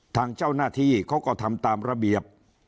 ทางเจ้าหน้าที่เขาก็ทำตามระเบียบ